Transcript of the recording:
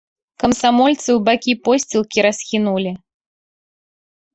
Камсамольцы ў бакі посцілкі расхінулі.